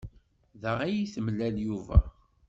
Da ay d-temlal Yuba.